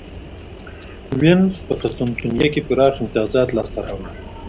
وینز په قسطنطنیه کې پراخ امیتازات لاسته راوړل.